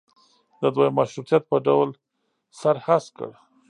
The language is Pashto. د دویم مشروطیت په ډول سر هسک کړ.